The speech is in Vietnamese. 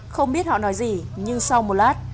không biết họ nói gì nhưng sau một lát